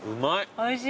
おいしい？